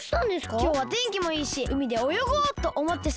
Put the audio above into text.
きょうはてんきもいいしうみでおよごうとおもってさ。